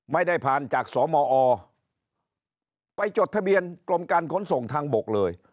ไม่ได้ผ่านจากสมอไปจดทะเบียนกรมการขนส่งทางบกเลย